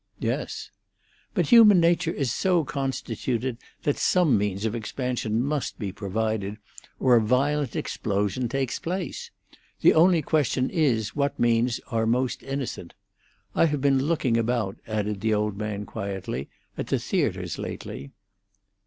"Yes." "But human nature is so constituted that some means of expansion must be provided, or a violent explosion takes place. The only question is what means are most innocent. I have been looking about," added the old man quietly, "at the theatres lately."